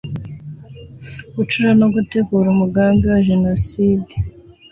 gucura no gutegura umugambi wa jenoside